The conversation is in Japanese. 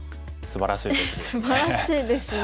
すばらしいですね。